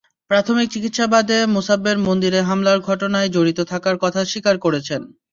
প্রাথমিক জিজ্ঞাসাবাদে মোছাব্বের মন্দিরে হামলার ঘটনায় জড়িত থাকার কথা স্বীকার করেছেন।